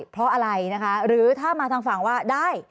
เพราะอะไรนะคะหรือถ้ามาทางฝั่งว่าได้